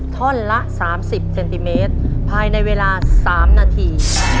ท่อนละสามสิบเซนติเมตรภายในเวลาสามนาที